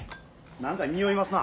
何か匂いますな。